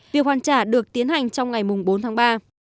việc hoàn trả được tiến hành trong ngày bốn tháng ba